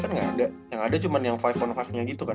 kan nggak ada yang ada cuma yang lima phone lima nya gitu kan